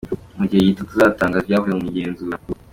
Mu gihe gito tuzatangaza ibyavuye mu igenzura.”